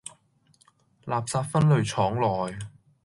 垃圾分類廠內